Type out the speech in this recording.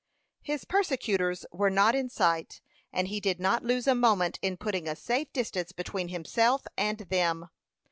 His persecutors were not in sight, and he did not lose a moment in putting a safe distance between himself and them.